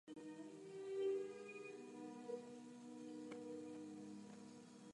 Allí comenzó formalmente su carrera artística.